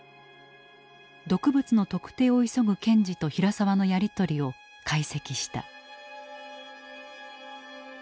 毒物の特定を急ぐ検事と平沢のやりとりを解析した。